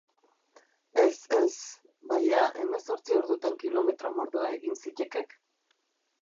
Ez, ez. Baia hemezortzi ordutan kilometro mordoa egin zittekek.